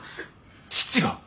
父が？